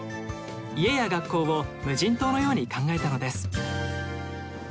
家や学校を無人島のように考えたのです。